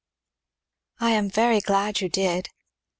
"I am very glad you did!"